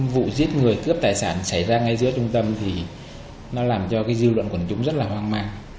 vụ giết người cướp tài sản xảy ra ngay giữa trung tâm thì nó làm cho cái dư luận quần chúng rất là hoang mang